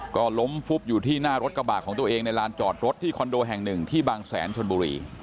ก็ล้มฟุบอยู่ที่หน้ารถกระบะของตัวเองในลานจอดรถที่คอนโดแห่งหนึ่งที่บางแสนชนบุรี